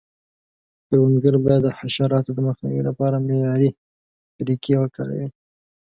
کروندګر باید د حشراتو د مخنیوي لپاره معیاري طریقې وکاروي.